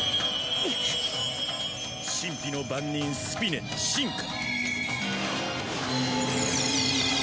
神秘の番人・スピネ進化。